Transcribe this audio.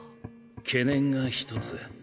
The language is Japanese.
懸念が１つ。